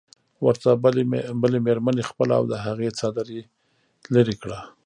ورته بلې مېرمنې خپله او د هغې څادري لرې کړه.